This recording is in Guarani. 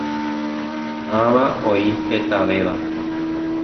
Ãva oĩ hetavéva.